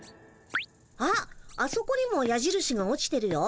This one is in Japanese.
あっあそこにもやじるしが落ちてるよ。